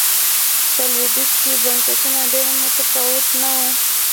په لوېدیځ کې بنسټونه ډېر متفاوت نه و.